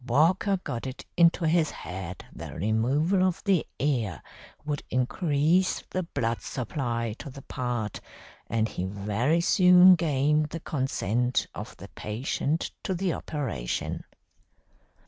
Walker got it into his head that removal of the ear would increase the blood supply to the part, and he very soon gained the consent of the patient to the operation.